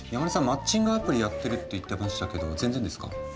マッチングアプリやってるって言ってましたけど全然ですか？